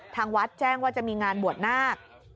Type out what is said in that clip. ทางวัดแจ้งว่าจะมีงานบวชนาค